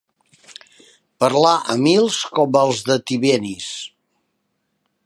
Parlar a mils, com els de Tivenys.